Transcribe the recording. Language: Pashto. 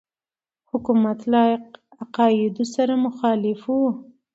حکومت له عقایدو سره مخالف وو.